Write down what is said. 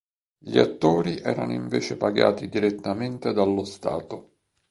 Gli attori erano invece pagati direttamente dallo stato.